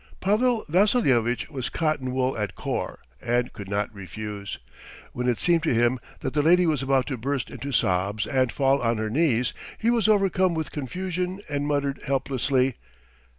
Pavel Vassilyevitch was cotton wool at core, and could not refuse. When it seemed to him that the lady was about to burst into sobs and fall on her knees, he was overcome with confusion and muttered helplessly.